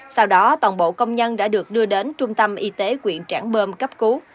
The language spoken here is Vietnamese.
sau đó toàn bộ công nhân đã được đưa đến trung tâm y tế quyện trảng bơm cấp cứu